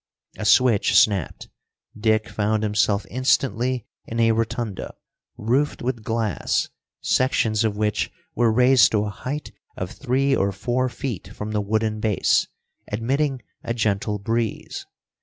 A switch snapped. Dick found himself instantly in a rotunda, roofed with glass, sections of which were raised to a height of three or four feet from the wooden base, admitting a gentle breeze.